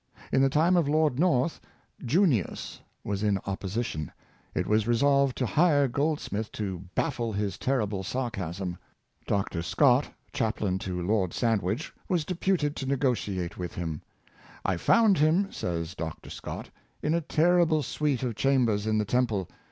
In the time of Lord North, ''Junius " was in opposition. It was resolved to hire Goldsmith to bafile his terrible sarcasm. Dr. Scott, chaplain to Lord Sandwich, was deputed to ne 388 Resistance to Temptation, gotiate with him. " I found him,'' says Dr. Scott, " in a miserable suite of chambers in the Temple.